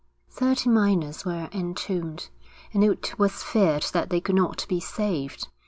Thirty miners were entombed, and it was feared that they could not be saved.